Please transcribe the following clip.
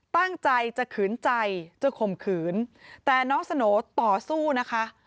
ตั้งใจจะขืนใจจะข่มขืนแต่น้องสโหน่ต่อสู้นะคะ